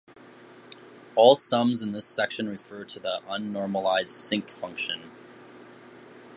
All sums in this section refer to the unnormalized sinc function.